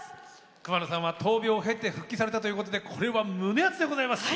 桑野さんは闘病を経て復帰されたということでこれは胸熱です。